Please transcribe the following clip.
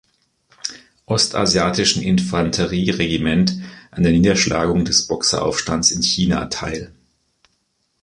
Ostasiatischen Infanterie-Regiment an der Niederschlagung des Boxeraufstandes in China teil.